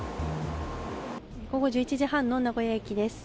午後１１時半の名古屋駅です。